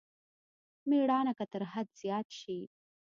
مېړانه که تر حد زيات شي.